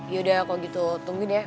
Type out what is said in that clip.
yaudah kalau gitu tungguin ya